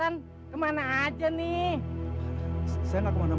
ayo kita selesai deh